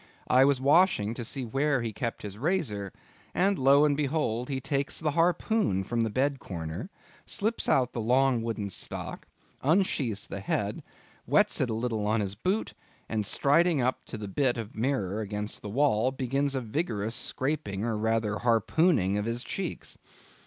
I was watching to see where he kept his razor, when lo and behold, he takes the harpoon from the bed corner, slips out the long wooden stock, unsheathes the head, whets it a little on his boot, and striding up to the bit of mirror against the wall, begins a vigorous scraping, or rather harpooning of his cheeks.